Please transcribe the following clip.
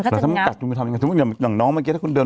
แต่ถ้ามันกัดคุณมาทำไม่ใช่งั้นอย่างน้องมันเวลาคุณเดิน